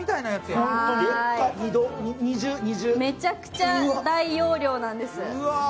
めちゃくちゃ大容量なんです。